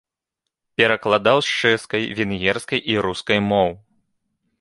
Перакладаў з чэшскай, венгерскай і рускай моў.